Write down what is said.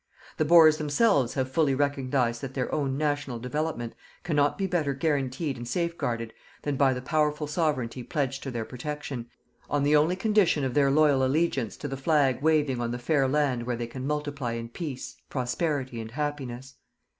The Boers themselves have fully recognized that their own national development cannot be better guaranteed and safeguarded than by the powerful Sovereignty pledged to their protection, on the only condition of their loyal allegiance to the flag waving on the fair land where they can multiply in peace, prosperity and happiness.